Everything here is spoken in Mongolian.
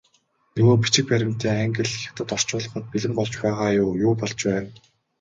Нөгөө бичиг баримтын англи, хятад орчуулгууд бэлэн болж байгаа юу, юу болж байна?